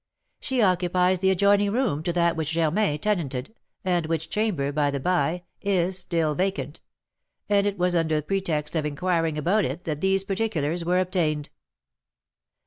She occupies the adjoining room to that which Germain tenanted, and which chamber, by the by, is still vacant; and it was under pretext of inquiring about it that these particulars were obtained."